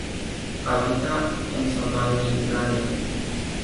Habita en Somalilandia.